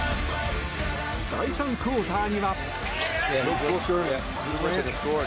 第３クオーターには。